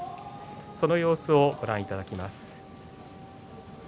その様子をご覧いただきます。